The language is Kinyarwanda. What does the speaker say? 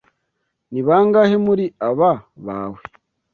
Ni bangahe muri aba bawe?